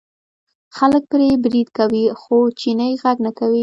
خلک پرې برید کوي خو چینی غږ نه کوي.